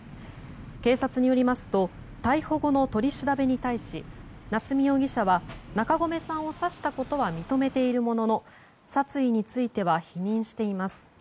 警察によりますと逮捕後の取り調べに対し夏見容疑者は、中込さんを刺したことは認めているものの殺意については否認しています。